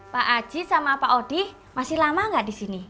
pak haji sama pak odi masih lama gak disini